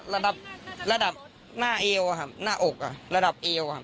ระดับระดับหน้าเอวครับหน้าอกระดับเอวครับ